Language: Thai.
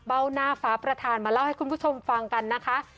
หน้าฟ้าประธานมาเล่าให้คุณผู้ชมฟังกันนะคะ